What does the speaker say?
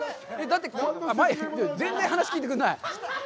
だって、全然、話を聞いてくんない。